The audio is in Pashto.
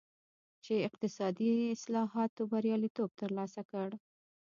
چین اقتصادي اصلاحاتو بریالیتوب ترلاسه کړ.